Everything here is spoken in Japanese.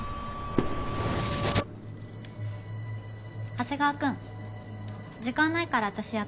長谷川君時間ないから私やっといた。